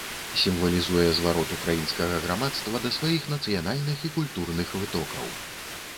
Сімвалізуе зварот ўкраінскага грамадства да сваіх нацыянальных і культурных вытокаў.